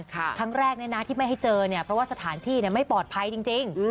ครั้งแรกที่ไม่ให้เจอเนี่ยเพราะว่าสถานที่ไม่ปลอดภัยจริง